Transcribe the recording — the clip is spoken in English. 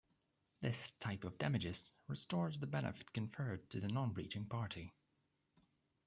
This type of damages restores the benefit conferred to the non-breaching party.